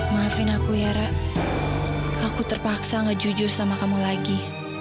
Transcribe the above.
maafin aku yara aku terpaksa gak jujur sama kamu lagi